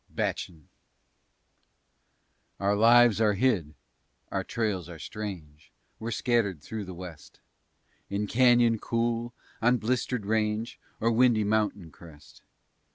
_ BACHIN' Our lives are hid; our trails are strange; We're scattered through the West In canyon cool, on blistered range Or windy mountain crest.